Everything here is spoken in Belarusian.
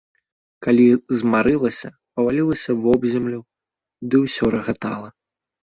Калі змарылася, павалілася вобземлю ды ўсё рагатала.